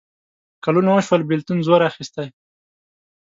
کلونه وشول بېلتون زور اخیستی.